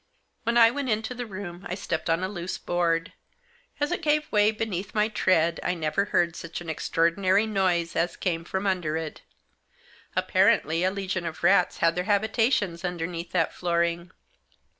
When I went into the room I stepped on a loose board. As it gave way beneath my tread I never heard such an extraordinary noise as came from under it. Apparently a legion of rats had their habitations underneath that flooring.